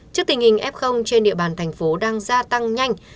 trước tình hình f trên địa bàn thành phố đang gia tăng nhanh